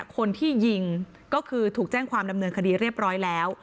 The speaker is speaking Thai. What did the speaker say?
คนที่ยิงก็คือถูกแจ้งความดำเนินคดีเรียบร้อยแล้ว